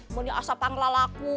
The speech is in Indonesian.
banyak asap panggilan aku